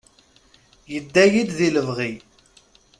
Yedda-yi-d di lebɣi.